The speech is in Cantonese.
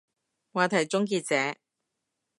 話題終結者